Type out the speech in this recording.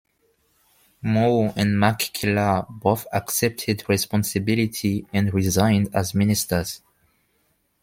Moore and MacKellar both accepted responsibility and resigned as Ministers.